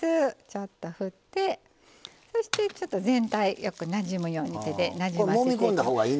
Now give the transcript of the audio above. ちょっと振ってそしてちょっと全体よくなじむように手でなじませていきます。